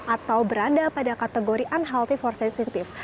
atau berada pada kategori unhealthy for sensitive